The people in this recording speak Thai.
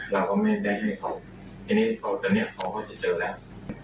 เราก็ไม่ได้ให้เขาทีนี้พอตอนนี้เขาก็จะเจอแล้ว